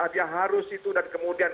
dia harus itu dan kemudian